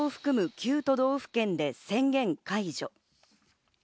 ９都道府県で宣言解除。